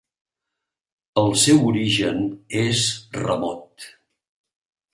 El seu origen és remot.